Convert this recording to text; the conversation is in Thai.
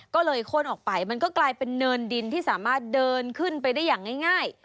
ก็เลยโค้นออกไปมันก็กลายเป็นเนินดินที่สามารถเดินขึ้นไปได้อย่างง่าย